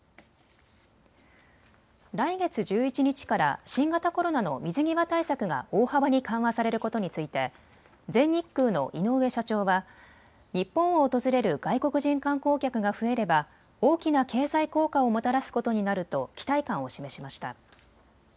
来月１１日から新型コロナの水際対策が大幅に緩和されることについて全日空の井上社長は日本を訪れる外国人観光客が増えれば大きな経済効果をもたらすことになると期待感を示しました。